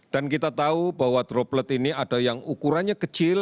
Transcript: dan kita tahu bahwa droplet ini ada yang ukurannya kecil